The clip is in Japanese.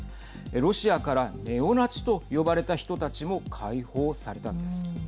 ロシアからネオナチと呼ばれた人たちも解放されたんです。